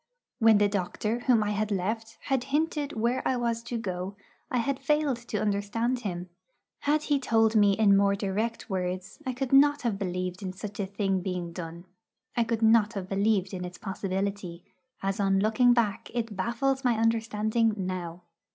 When the doctor whom I had left had hinted where I was to go, I had failed to understand him. Had he told me in more direct words, I could not have believed in such a thing being done; I could not have believed in its possibility, as on looking back it baffles my understanding now.